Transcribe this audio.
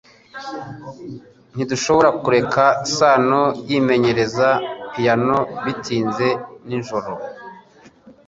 Ntidushobora kureka Sano yimenyereza piyano bitinze nijoro